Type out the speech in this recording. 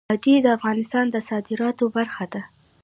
وادي د افغانستان د صادراتو برخه ده.